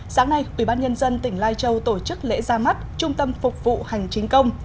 sáng nay ubnd tỉnh lai châu tổ chức lễ ra mắt trung tâm phục vụ hành chính công